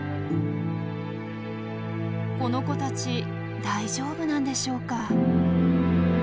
この子たち大丈夫なんでしょうか？